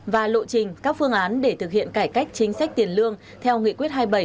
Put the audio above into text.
và lộ trình các phương án để thực hiện cải cách chính sách tiền lương theo nghị quyết hai mươi bảy